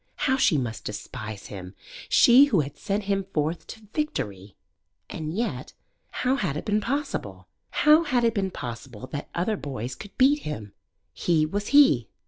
How she must despise him she who had sent him forth to victory! And yet how 'had it been possible? How had it been possible that other boys could beat him? He was he.